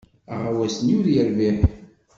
Aɣawas-nni ur yerbiḥ.